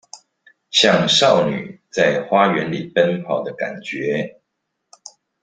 像少女在花園裡奔跑的感覺